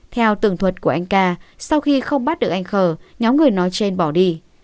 theo tường thuật của anh ca sau khi không bắt được anh khờ nhóm người nói trên bỏ đi